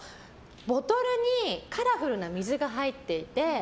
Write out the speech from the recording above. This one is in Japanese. ボトルにカラフルな水が入っていて。